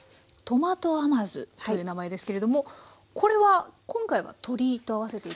トマト甘酢という名前ですけれどもこれは今回は鶏と合わせていきますけれども。